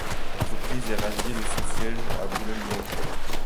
L'entreprise est radiée de son siège à Boulogne-Billancourt.